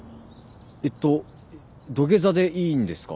えっと土下座でいいんですか？